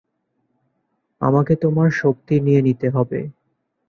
আমাকে তোমার শক্তি নিয়ে নিতে হবে।